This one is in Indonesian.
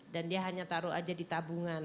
dan dia hanya taruh aja di tabungan